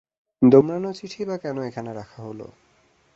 দোমড়ানো চিঠিই বা কেন এখানে রাখা হল?